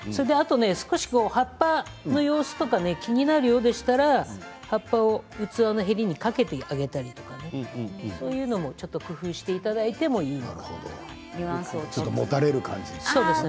葉っぱの様子とか気になるようでしたら器のヘリにかけていただいたりとかそういうのも工夫していただいてもいいですね。